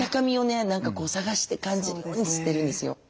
何か探して感じるようにしてるんですよ。